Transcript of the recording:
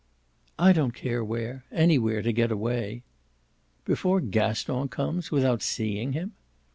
"I don't care where. Anywhere to get away." "Before Gaston comes without seeing him?"